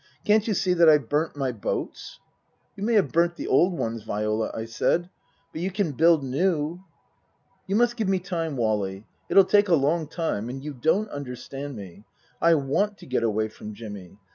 " Can't you see that I've burnt my boats ?"" You may have burnt the old ones, Viola," I said. " But you can build new." " You must give me time, Wally. It'll take along time. And you don't understand me. I want to get away from Jimmy.